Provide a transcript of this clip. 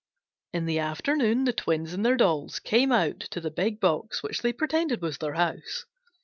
In the afternoon the twins and their dolls came out to the big box which they pretended was their house.